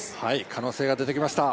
可能性が出てきました。